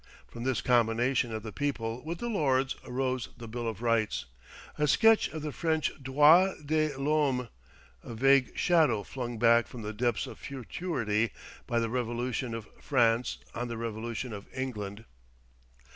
From this combination of the people with the Lords arose the Bill of Rights a sketch of the French Droits de l'homme, a vague shadow flung back from the depths of futurity by the revolution of France on the revolution of England.